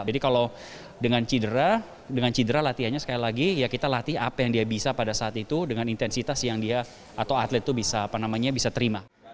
jadi kalau dengan cedera dengan cedera latihannya sekali lagi ya kita latih apa yang dia bisa pada saat itu dengan intensitas yang dia atau atlet itu bisa terima